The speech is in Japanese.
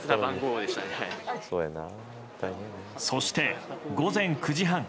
そして、午前９時半。